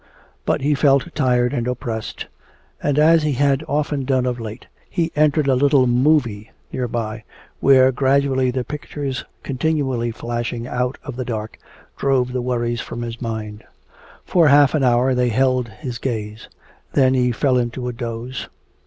But he felt tired and oppressed, and as he had often done of late he entered a little "movie" nearby, where gradually the pictures, continually flashing out of the dark, drove the worries from his mind. For a half an hour they held his gaze. Then he fell into a doze.